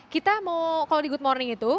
kita mau kalau di good morning itu